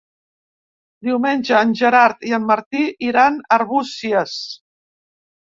Diumenge en Gerard i en Martí iran a Arbúcies.